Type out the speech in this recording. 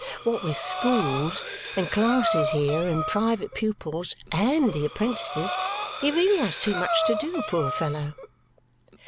What with schools, and classes here, and private pupils, AND the apprentices, he really has too much to do, poor fellow!"